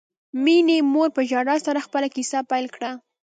مينې مور په ژړا سره خپله کیسه پیل کړه